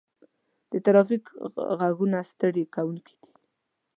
د ترافیک غږونه ستړي کوونکي دي.